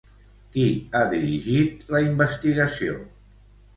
Qui ha dirigit la investigació?